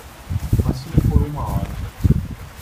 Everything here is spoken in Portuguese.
Mas fique por uma hora